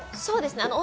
そうですね。